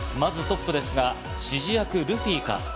まずトップですが、指示役・ルフィか？